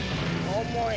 重い。